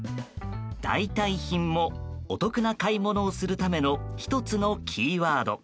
代替品もお得な買い物をするための１つのキーワード。